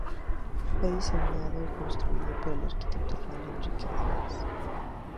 Fue diseñado y construido por el arquitecto real Enrique Egas.